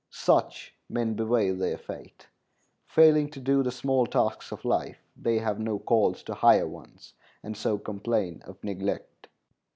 Such men bewail their fate. Failing to do the small tasks of life, they have no calls to higher ones, and so complain of neglect.